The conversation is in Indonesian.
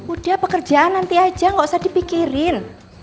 udah pekerjaan nanti aja gak usah dipikirin